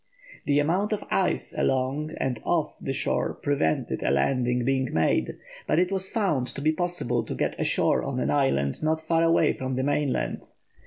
The amount of ice along, and off, the shore prevented a landing being made, but it was found to be possible to get ashore on an island not far away from the mainland.